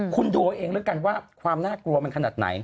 คุณดูเอาเองแล้วกันว่าความน่ากลัวมันขนาดไหน